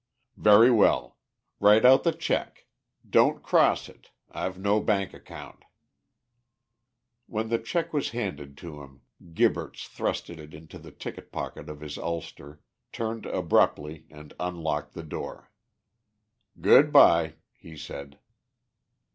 "Very well. Write out the cheque. Don't cross it. I've no bank account." When the cheque was handed to him, Gibberts thrust it into the ticket pocket of his ulster, turned abruptly, and unlocked the door. "Good bye," he said.